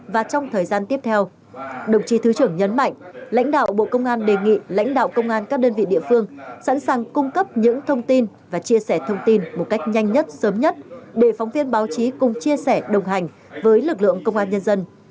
và trong thời gian tiếp theo đồng chí thứ trưởng nhấn mạnh lãnh đạo bộ công an đề nghị lãnh đạo công an các đơn vị địa phương sẵn sàng cung cấp những thông tin và chia sẻ thông tin một cách nhanh nhất sớm nhất để phóng viên báo chí cùng chia sẻ đồng hành với lực lượng công an nhân dân